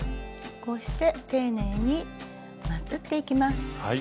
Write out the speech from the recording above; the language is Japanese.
こうして丁寧にまつっていきます。